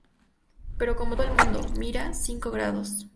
pero como todo el mundo. mira, cinco grados.